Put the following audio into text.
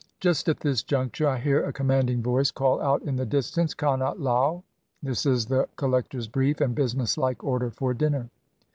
Just at this juncture I hear a commanding voice call out in the distance "Khana lao." This is the col lector's brief and business like order for dinner.